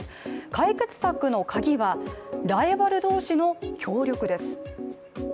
解決策のかぎは、ライバル同士の協力です。